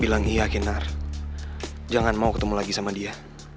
bilang iya kinar jangan mau ketemu lagi sama dia